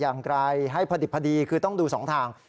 อย่างใอย่างประดิษฐิษฐ์ส่วนใหญ่คือต้องดูสองทาง